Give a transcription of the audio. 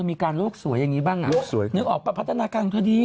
มีการโลกสวยอย่างนี้บ้างอ่ะโลกสวยนึกออกป่ะพัฒนาการของเธอดี